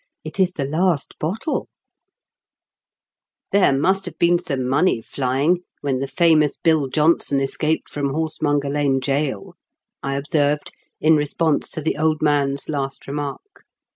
It is the last bottle !"" There must have been some money flying when the famous Bill Johnson escaped from Horsemonger Lane Gaol," I observed, in response to the old man's last remark.